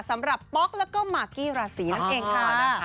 สำหรับป๊อกแล้วก็มากกี้หราศีนั่นเองค่ะ